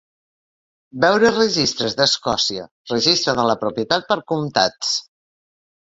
Veure registres d'Escòcia, Registre de la propietat per comtats.